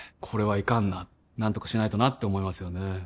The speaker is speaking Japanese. これはいかんな何とかしないとなって思いますよね